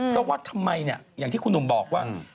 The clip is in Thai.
เพราะว่าทำไมเนี่ยอย่างที่คุณหนุ่มบอกว่า